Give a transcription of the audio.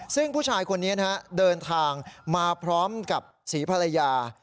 ซึ่งผู้ชายคนนี้นะฮะเดินทางมาพร้อมกับศรีภรรยา